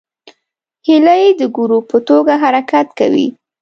هیلۍ د ګروپ په توګه حرکت کوي